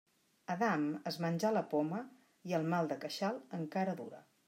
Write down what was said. Adam es menjà la poma i el mal de queixal encara dura.